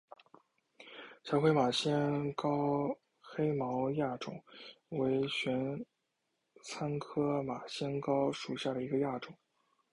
狭盔马先蒿黑毛亚种为玄参科马先蒿属下的一个亚种。